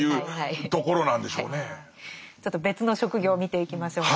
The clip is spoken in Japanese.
ちょっと別の職業を見ていきましょうか。